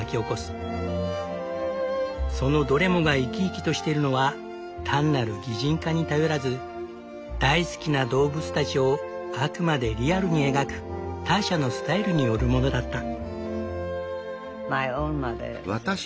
そのどれもが生き生きとしてるのは単なる擬人化に頼らず大好きな動物たちをあくまでリアルに描くターシャのスタイルによるものだった。